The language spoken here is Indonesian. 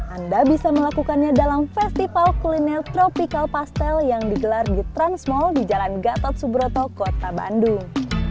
anda bisa melakukannya dalam festival kuliner tropical pastel yang digelar di trans mall di jalan gatot subroto kota bandung